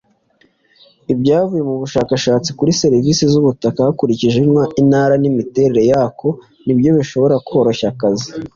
Ibyavuye mu bushakashatsi kuri serivisi z’ ubutaka hakurikijwe intara n’imiterere yako nibyo bishobora koroshya akazi.